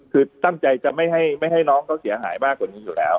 คือตั้งใจจะไม่ให้น้องเขาเสียหายมากกว่านี้อยู่แล้ว